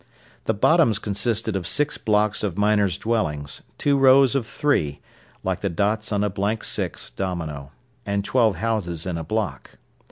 The Bottoms consisted of six blocks of miners' dwellings, two rows of three, like the dots on a blank six domino, and twelve houses in a block.